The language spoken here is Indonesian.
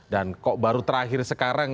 dan kok baru terakhir sekarang